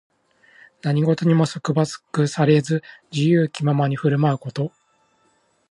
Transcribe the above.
何事にも束縛されず、自由気ままに振る舞うこと。